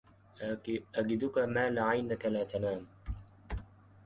أجدك ما لعينك لا تنام